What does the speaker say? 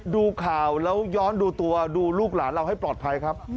ดูข่าวแล้วย้อนดูตัวดูลูกหลานเราให้ปลอดภัยครับ